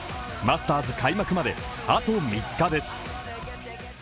マスターズ開幕まであと３日です。